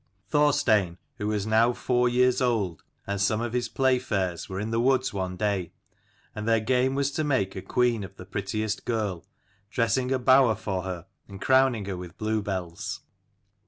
Thorstein, who was now four years old, and some of his playfairs were in the woods one day ; and their game was to make a queen of the prettiest girl, dressing a bower for her and crowning her with bluebells.